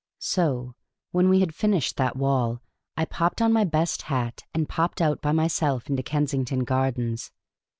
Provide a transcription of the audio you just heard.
So, when we had finished that wall, I popped on my best hat, and popped out by myself into Kensington Gardens.